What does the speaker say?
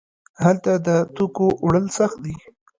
هلته د توکو وړل سخت دي.